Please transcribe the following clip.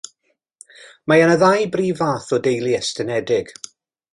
Mae yna ddau brif fath o deulu estynedig